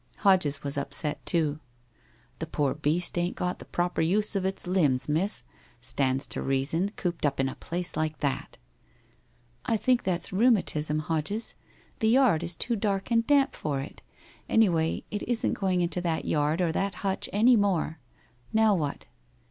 Hodges was upset too. ' The poor beast ain't got the proper use of its limb?, miss. Stands to reason, cooped up in a place like that! '' I think that's rheumatism, Hodges. The yard is too dark and damp for it. Anyway it isn't going into that yard or that hutch any more. Now, what!